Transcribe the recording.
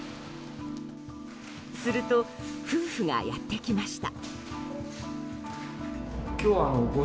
すると、夫婦がやってきました。